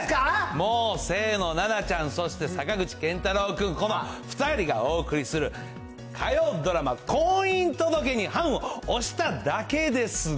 もう、清野菜名ちゃん、そして坂口健太郎君、２人がお送りする、火曜ドラマ、婚姻届に判を捺しただけですが。